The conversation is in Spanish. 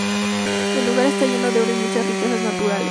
El lugar esta lleno de oro y muchas riquezas naturales.